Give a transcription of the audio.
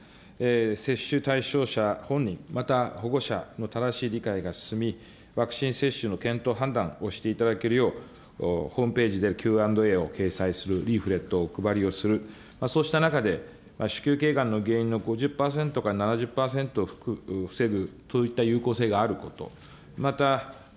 接種対象者本人、また保護者の正しい理解が進み、ワクチン接種の検討、判断をしていただけるよう、ホームページでＱ＆Ａを掲載するリーフレットをお配りをする、そうした中で、子宮けいがんの原因の５０％か７０％を防ぐといった、そういった有効性があること。